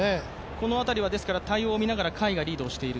この辺りは対応を見ながら甲斐がリードをしている？